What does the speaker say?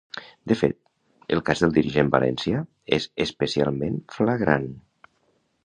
De fet, el cas del dirigent valencià, és especialment flagrant.